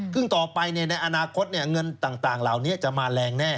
ซึ่งต่อไปในอนาคตเงินต่างเหล่านี้จะมาแรงแน่